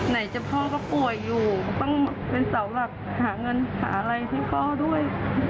ไหนจะพ่อก็ป่วยอยู่ก็ต้องเป็นเสาหลักหาเงินหาอะไรให้พ่อด้วย